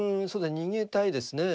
逃げたいですね。